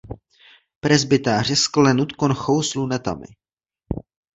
Presbytář je sklenut konchou s lunetami.